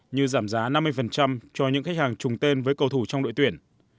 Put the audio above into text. như giảm giá năm mươi cho những khách hàng trùng tên với cầu thủ trong đội tuyển